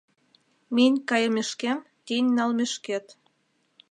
Минь кайымешкем, тинь налмешкет